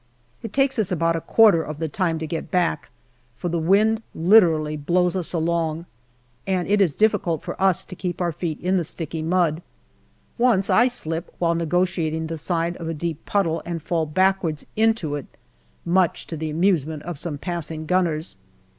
It takes us about a quarter of the time to get back, for the wind literally blows us along, and it is difficult for us to keep our feet in the sticky mud. Once I slip while negotiating the side of a deep puddle, and fall backwards into it, much to the amusement of some passing gunners.